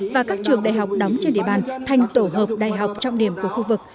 và các trường đại học đóng trên địa bàn thành tổ hợp đại học trọng điểm của khu vực